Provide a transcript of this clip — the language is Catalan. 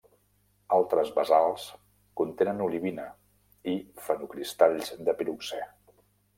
Altres basalts contenen olivina i fenocristalls de piroxè.